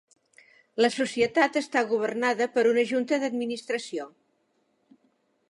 La Societat està governada per una junta d'administració.